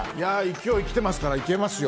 勢い来てますから、行けますよ。